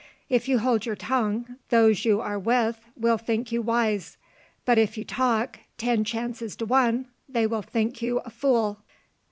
If you hold your tongue, those you are with will think you wise; but if you talk, ten chances to one they will think you a fool!"